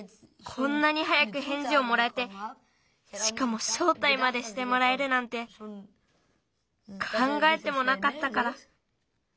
こんなに早くへんじをもらえてしかもしょうたいまでしてもらえるなんてかんがえてもなかったから。